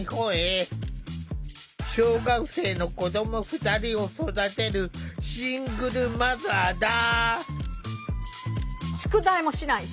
小学生の子ども２人を育てるシングルマザーだ。